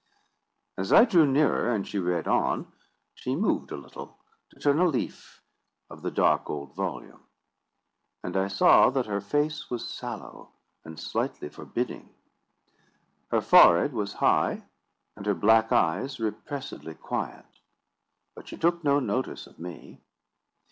As I drew nearer, and she read on, she moved a little to turn a leaf of the dark old volume, and I saw that her face was sallow and slightly forbidding. Her forehead was high, and her black eyes repressedly quiet. But she took no notice of me.